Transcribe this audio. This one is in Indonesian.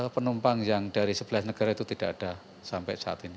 penumpang yang dari sebelas negara itu tidak ada sampai saat ini